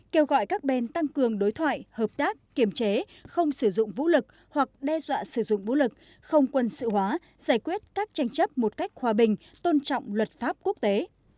kêu gọi các bên tăng cường đối thoại hợp tác kiểm chế không sử dụng vũ lực hoặc đe dọa sử dụng vũ lực không quân sự hóa giải quyết các tranh chấp một cách hòa bình tôn trọng luật pháp quốc tế